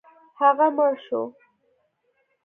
هغه مړ شو.